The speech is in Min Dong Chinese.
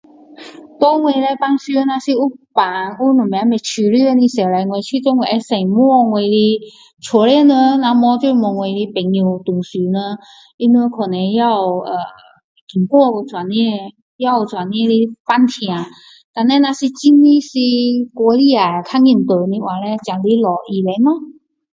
给我叻平常若有病有什么不舒服的时候我觉得我会先问我家里人不然就是问我的朋友同事们他们可能也有呃经过这样也有这样的病痛然后如果真的是过太厉害太严重的话才来找医生咯